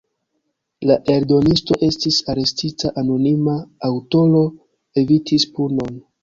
La eldonisto estis arestita, anonima aŭtoro evitis punon.